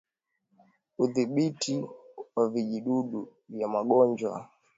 Udhibiti wa vijidudu vya magonjwa